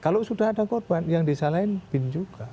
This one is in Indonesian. kalau sudah ada korban yang desa lain bin juga